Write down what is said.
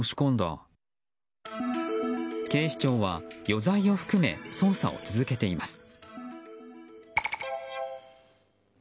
警視庁は余罪を含め捜査を続けています。